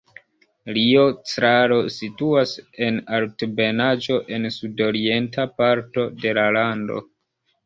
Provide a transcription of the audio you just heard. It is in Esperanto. Rio Claro situas en altebenaĵo en sudorienta parto de la lando.